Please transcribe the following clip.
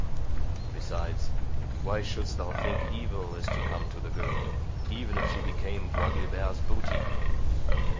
Besides, why shouldst thou think evil is to come to the girl, even if she became Bois Guilbert's booty?"